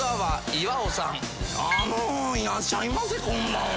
あのいらっしゃいませこんばんは。